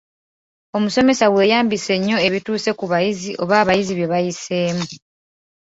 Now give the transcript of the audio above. Omusomesa weeyambise nnyo ebituuse ku bayizi oba abayizi bye bayiseemu.